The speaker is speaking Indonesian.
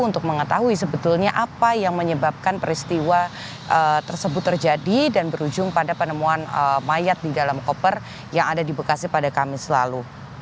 untuk mengetahui sebetulnya apa yang menyebabkan peristiwa tersebut terjadi dan berujung pada penemuan mayat di dalam koper yang ada di bekasi pada kamis lalu